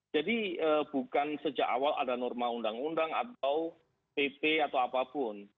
jadi bukan sejak awal ada norma undang undang atau pp atau apapun